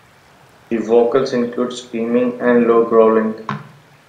The vocals include screaming and low growling.